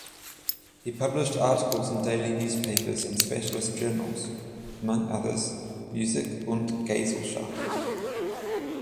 He published articles in daily newspapers and specialist journals (among others "Musik und Gesellschaft").